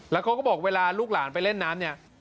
แล้วเขาก็บอกเวลาลูกหลานไปเล่นน้ำเนี่ย